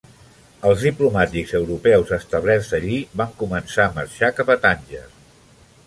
Els diplomàtics europeus establerts allí van començar a marxar cap a Tànger.